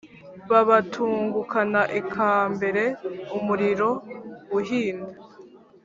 babatungukana ikambere umuriro uhinda.